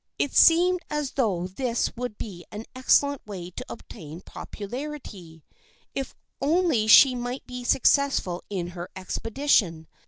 It seemed as though this would be an excellent way to obtain popularity. If only she might be successful in her expedition